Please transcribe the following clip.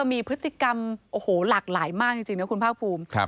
มีพฤติกรรมโอ้โหหลากหลายมากจริงนะคุณภาคภูมิ